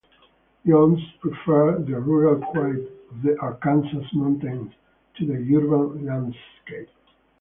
Jones preferred the rural quiet of the Arkansas mountains to the urban landscape.